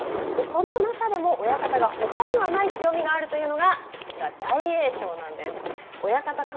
その中でも親方が、ほかにはない強みがあるというのが、こちら、大栄翔なんです。